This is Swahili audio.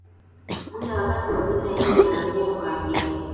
muda wakati wa vita hii ya wenyewe kwa wenyewe